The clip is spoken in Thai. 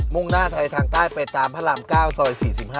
่งหน้าไทยทางใต้ไปตามพระราม๙ซอย๔๕